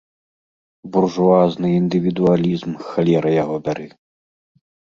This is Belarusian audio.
Буржуазны індывідуалізм, халера яго бяры!